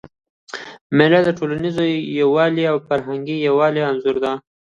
مېلې د ټولنیز یووالي او فرهنګي یووالي انځور يي.